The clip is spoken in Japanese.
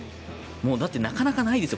だってなかなかないですよ。